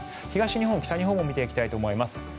東日本、北日本も見ていきたいと思います。